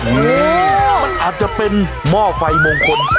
นี่มันอาจจะเป็นหม้อไฟมงคล